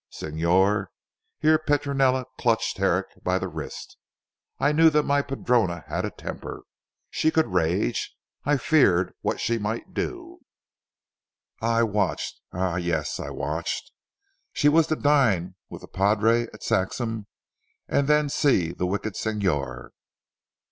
Signor," here Petronella clutched Herrick by the wrist, "I knew that my padrona had a temper. She could rage. I feared what she might do. I watched eh! yes, I watched. She was to dine with the padre at Saxham, and then see the wicked Signor."